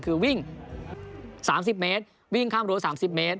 คือวิ่ง๓๐เมตรวิ่งข้ามรั้ว๓๐เมตร